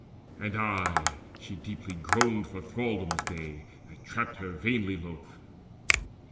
And aye she deeply groaned for thraldom's day That trapped her vainly loth.